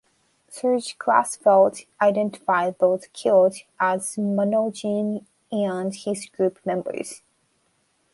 Serge Klarsfeld identified those killed as Manouchian and his group members.